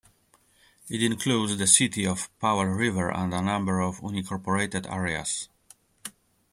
It includes the City of Powell River and a number of unincorporated areas.